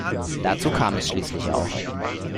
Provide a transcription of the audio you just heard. Dazu kam es schließlich auch.